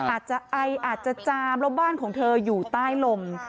อาจจะไออาจจะจามแล้วบ้านของเธออยู่ใต้ลม